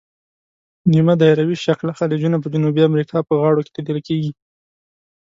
نیمه دایروي شکله خلیجونه په جنوبي امریکا په غاړو کې لیدل کیږي.